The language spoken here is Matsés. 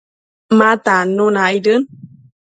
ma tannuna aidquidën